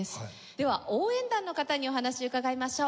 では応援団の方にお話を伺いましょう。